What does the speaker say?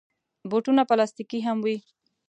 بوټونه پلاستيکي هم وي.